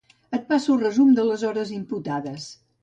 Et passo resum de les hores imputades.